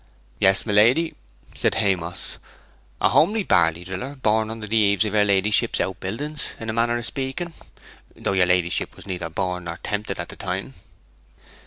'Yes my lady,' said Haymoss; 'a homely barley driller, born under the eaves of your ladyship's outbuildings, in a manner of speaking, though your ladyship was neither born nor 'tempted at that time.'